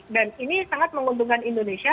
dan ini sangat menguntungkan indonesia